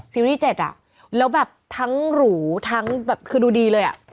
ที่เจ็ดอ่ะแล้วแบบทั้งหรูทั้งแบบคือดูดีเลยอ่ะ